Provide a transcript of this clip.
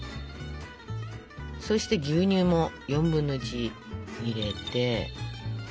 そして牛乳も４分の１入れて。